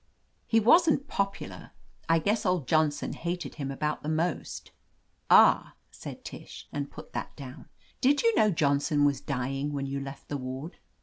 152 / OF LETITIA CARBERRY "He wasn't popular. I guess old Johnson hated him about the most." "Ah !" said Tish, and put that down. "Did you know Johnson was dying when you left the ward ?"